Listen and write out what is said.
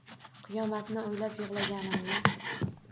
Qiyomatni o’ylab yig’laganimni.